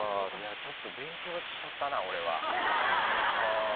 ちょっと勉強しちゃったな俺は。